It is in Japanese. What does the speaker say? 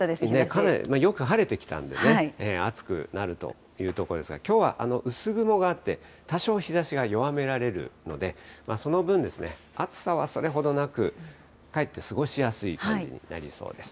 かなり、よく晴れてきたんでね、暑くなるというところですが、きょうは薄雲があって、多少、日ざしが弱められるので、その分、暑さはそれほどなく、かえって過ごしやすい感じになりそうです。